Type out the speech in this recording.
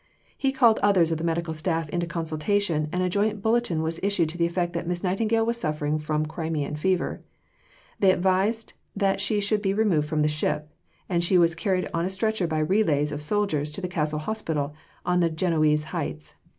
He called others of the medical staff into consultation, and a joint bulletin was issued to the effect that Miss Nightingale was suffering from Crimean fever. They advised that she should be removed from the ship, and she was carried on a stretcher by relays of soldiers to the Castle Hospital on the Genoese Heights.